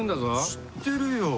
知ってるよ。